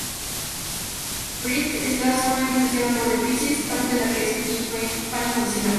Brett está sumamente influenciado por The Pixies, banda de la que es fan incondicional.